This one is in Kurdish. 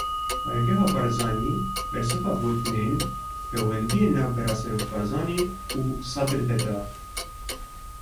Baregeha Barzanî bersiva gotegotên pêwendiyên navbera Serok Barzanî û Sedir de da.